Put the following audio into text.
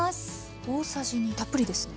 大さじ２たっぷりですね。